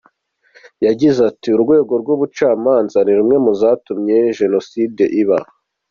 Yagize ati “Urwego rw’ubucamanza ni rumwe mu nzego zatumye Jenoside iba.